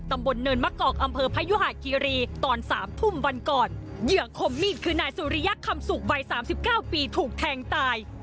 เนินมะกอกอำเภอพยุหาคีรีตอนสามทุ่มวันก่อนเหยื่อคมมีดคือนายสุริยักษ์คำสุกวัยสามสิบเก้าปีถูกแทงตาย